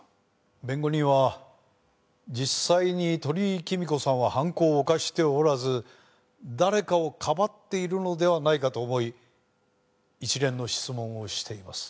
弁護人は実際に鳥居貴美子さんは犯行を犯しておらず誰かをかばっているのではないかと思い一連の質問をしています。